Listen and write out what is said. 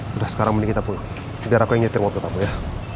sudah sekarang ini kita pulang biar aku yang nyetir mobil apa ya